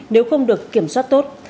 nếu không được kiểm soát tốt